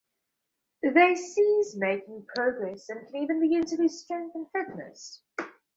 They cease making progress, and can even begin to lose strength and fitness.